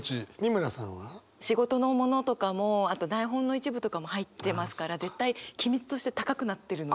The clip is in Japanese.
仕事のものとかもあと台本の一部とかも入ってますから絶対機密として高くなってるので。